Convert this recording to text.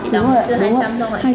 đây đúng không